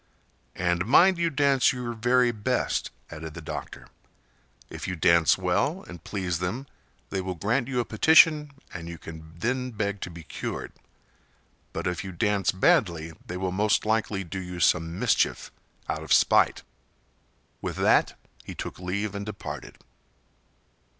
"And mind you dance your very best," added the doctor. "If you dance well and please them they will grant you a petition and you can then beg to be cured; but if you dance badly they will most likely do you some mischief out of spite." With that he took leave and departed.